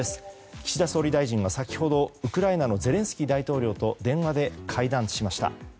岸田総理大臣が先ほどウクライナのゼレンスキー大統領と電話で会談しました。